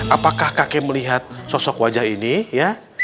apakah kakek melihat sosok wajah ini ya